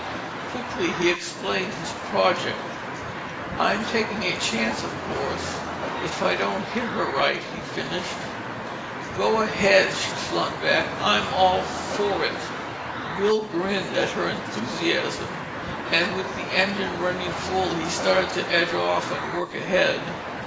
Quickly he explained his project. "I'm taking a chance, of course, if I don't hit her right," he finished. "Go ahead—" she flung back. "I'm all for it!" Bill grinned at her enthusiasm, and with the engine running full, he started to edge off and work ahead.